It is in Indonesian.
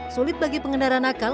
sulit bagi pengendara nakal